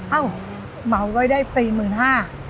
เอ้าเหมาไว้ได้สี่หมื่นห้า